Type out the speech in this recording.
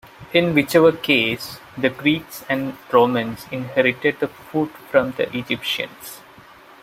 In whichever case, the Greeks and Romans inherited the foot from the Egyptians.